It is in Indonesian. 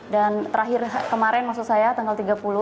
dan terakhir kemarin maksud saya tanggal tiga puluh